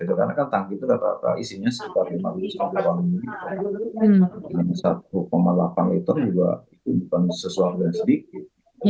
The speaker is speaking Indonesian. karena kan tangki itu isinya satu delapan liter satu delapan liter juga bukan sesuatu yang sedikit